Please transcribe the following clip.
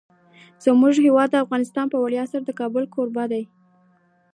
زموږ هیواد افغانستان په ویاړ سره د کابل کوربه دی.